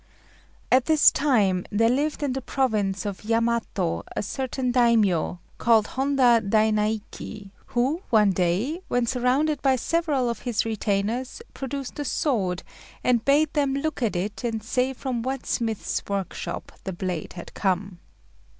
] At this time there lived in the province of Yamato a certain Daimio, called Honda Dainaiki, who one day, when surrounded by several of his retainers, produced a sword, and bade them look at it and say from what smith's workshop the blade had come.